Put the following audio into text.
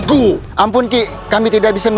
kenapa kau single di sini